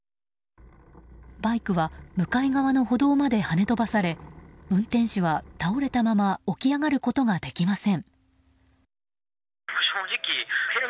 バイクは向かい側の歩道まではね飛ばされ運転手は倒れたまま起き上がることができません。